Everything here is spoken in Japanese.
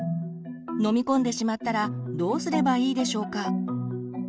飲み込んでしまったらどうすればいいでしょうか？